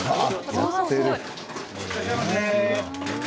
いらっしゃいませ。